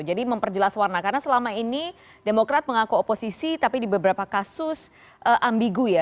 jadi memperjelas warna karena selama ini demokrat mengaku oposisi tapi di beberapa kasus ambigu ya